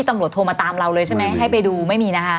ตำรวจโทรมาตามเราเลยใช่ไหมให้ไปดูไม่มีนะคะ